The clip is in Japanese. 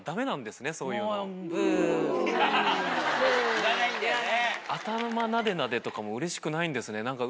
いらないんだよね。